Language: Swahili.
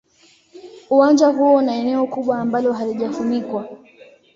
Uwanja huo una eneo kubwa ambalo halijafunikwa.